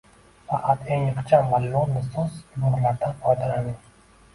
Faqat eng ixcham va lo‘nda so‘z va iboralardan foydalaning